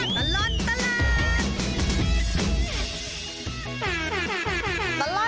ชั่วตลอดประหลาด